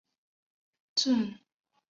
郑绥挟持黎槱退往安朗县。